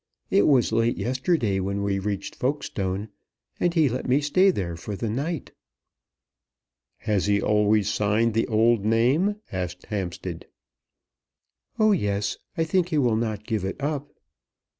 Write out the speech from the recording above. It was late yesterday when we reached Folkestone, and he let me stay there for the night." "Has he always signed the old name?" asked Hampstead. "Oh yes. I think he will not give it up."